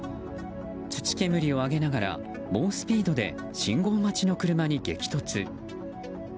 土煙を上げながら猛スピードで信号待ちの車に激突。